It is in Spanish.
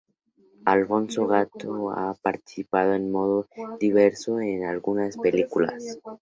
Alfonso Gatto ha participado en modo diverso en algunas películas.